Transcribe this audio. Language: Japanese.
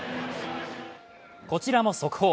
こちらも速報。